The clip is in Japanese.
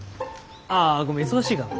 ああごめん忙しいかな。